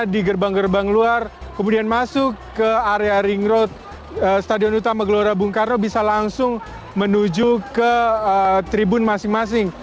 di gerbang gerbang luar kemudian masuk ke area ring road stadion utama gelora bung karno bisa langsung menuju ke tribun masing masing